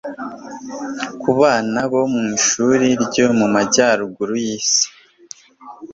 Ku bana bo mu ishuri ryo mu majyaruguru yisi